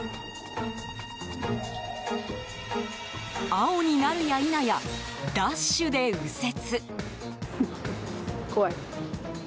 青になるやいなやダッシュで右折！